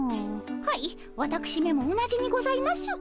はいわたくしめも同じにございます。